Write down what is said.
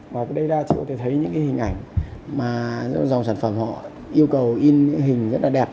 và ở đây ta có thể thấy những hình ảnh mà dòng sản phẩm họ yêu cầu in những hình rất là đẹp